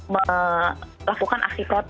melakukan aksi kod